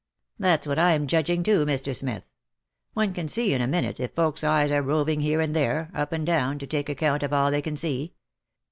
" That's what I'm judging too, Mr. Smith. One can see in a minute if folks eyes are roving here and there, up and down, to take account of all they can see.